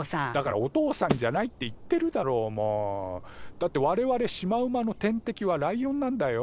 だってわれわれシマウマの天敵はライオンなんだよ？